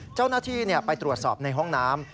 เจ้าหน้าที่ไปตรวจสอบในห้องน้ำ